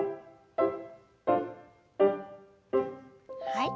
はい。